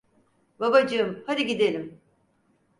Babacığım, hadi gidelim.